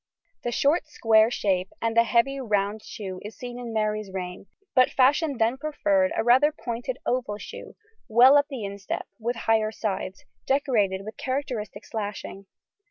The short square shape and the heavy round shoe is seen in Mary's reign, but fashion then preferred a rather pointed oval shoe, well up the instep with higher sides, decorated with characteristic slashing.